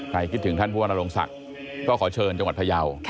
ใครคิดถึงท่านพระอาลงศักดิ์ก็ขอเชิญจังหวัดพยาว